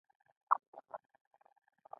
هک پک ودریده په دوه وو کې حیران شو.